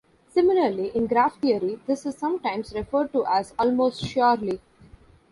Similarly, in graph theory, this is sometimes referred to as "almost surely".